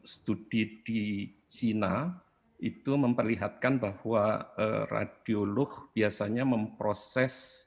studi di china itu memperlihatkan bahwa radiolog biasanya memproses